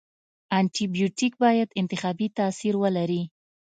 انټي بیوټیک باید انتخابي تاثیر ولري.